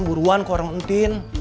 buruan ku orang entin